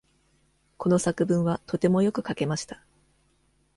この作文はとてもよく書けました。